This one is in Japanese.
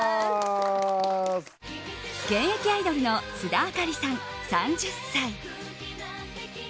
現役アイドルの須田亜香里さん、３０歳。